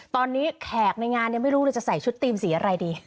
ตอนนี้แขกในงานยังไม่รู้เลยจะใส่ชุดทีมสีอะไรดี